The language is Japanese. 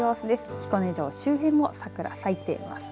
彦根城周辺も桜が咲いています。